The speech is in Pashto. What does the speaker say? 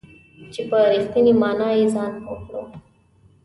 چې په رښتینې معنا یې ځان پوه کړو .